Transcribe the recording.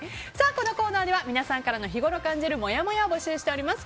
このコーナーでは皆さんの日ごろ感じるもやもやを募集しています。